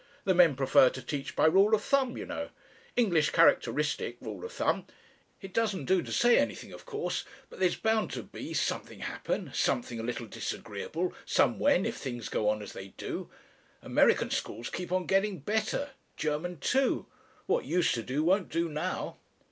The men prefer to teach by rule of thumb, you know. English characteristic rule of thumb. It doesn't do to say anything of course but there's bound to be something happen something a little disagreeable somewhen if things go on as they do. American schools keep on getting better German too. What used to do won't do now.